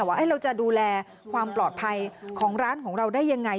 ว่าเราจะดูแลความปลอดภัยของร้านของเราได้ยังไง